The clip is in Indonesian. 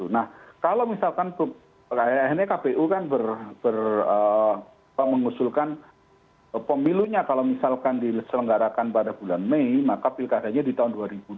nah kalau misalkan akhirnya kpu kan mengusulkan pemilunya kalau misalkan diselenggarakan pada bulan mei maka pilkadanya di tahun dua ribu dua puluh